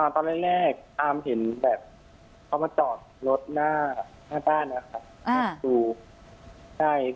ตอนแรกอาร์มเห็นแบบเขามาจอดรถหน้าหน้าบ้านนะครับหน้าสูง